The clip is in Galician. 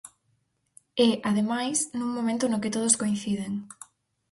E, ademais, nun momento no que todos coinciden.